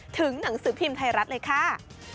หนังสือพิมพ์ไทยรัฐเลยค่ะ